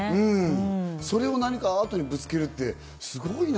それをアートにぶつけるってすごいな。